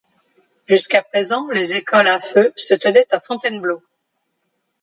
Jusqu’à présent les écoles à feux se tenaient à Fontainebleau.